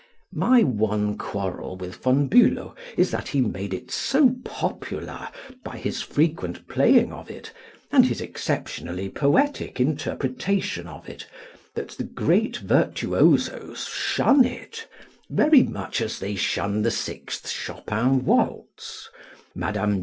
My one quarrel with Von Bülow is that he made it so popular by his frequent playing of it and his exceptionally poetic interpretation of it, that the great virtuosos shun it, very much as they shun the sixth Chopin waltz (Mme.